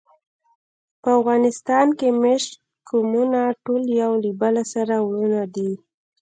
په افغانستان کې مېشت قومونه ټول یو له بله سره وروڼه دي.